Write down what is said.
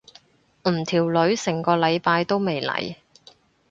唔條女成個禮拜都未嚟。